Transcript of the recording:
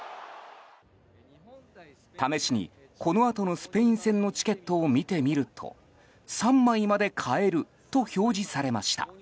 試しに、このあとのスペイン戦のチケットを見てみると３枚まで買えると表示されました。